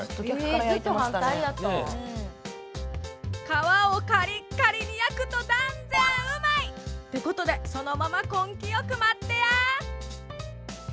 皮をカリッカリに焼くと断然うまい！ってことでそのまま根気よく待ってや。